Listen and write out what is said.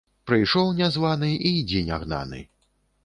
Прыйшоў нязваны і йдзі нягнаны